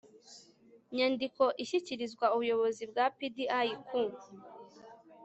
nyandiko ishyikirizwa Ubuyobozi bwa PDI ku